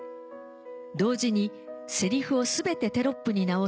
同時にセリフを全てテロップに直す